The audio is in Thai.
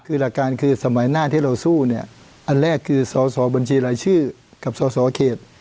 คือหลักการคือสมัยหน้าที่เราสู้เนี่ยอันแรกคือสอสอบัญชีรายชื่อกับสสเขต